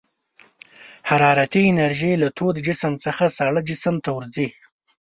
حرارتي انرژي له تود جسم څخه ساړه جسم ته ورځي.